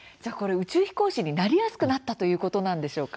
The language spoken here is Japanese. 宇宙飛行士になりやすくなったということなんでしょうか？